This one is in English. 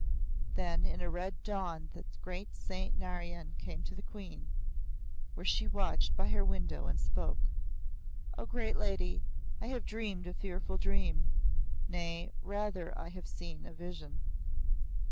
Then in a red dawn that great saint Narayan came to the Queen, where she watched by her window, and spoke. "O great lady, I have dreamed a fearful dream. Nay, rather have I seen a vision."